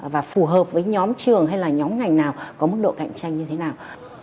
và phù hợp với nhóm trường hay là nhóm ngành nào có mức độ cạnh tranh như thế nào